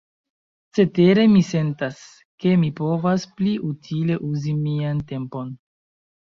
Cetere, mi sentas, ke mi povas pli utile uzi mian tempon.